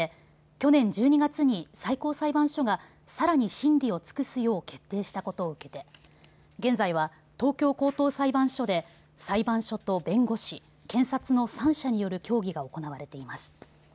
去年１２月に最高裁判所がさらに審理を尽くすよう決定したことを受けて現在は東京高等裁判所で裁判所と弁護士、検察の３者による協議が行われています。